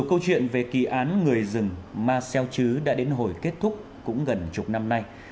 mặc dù câu chuyện về kỳ án người rừng mà xeo chứ đã đến hồi kết thúc cũng gần chục năm nay